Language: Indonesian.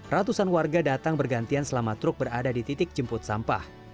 ratusan warga datang bergantian selama truk berada di titik jemput sampah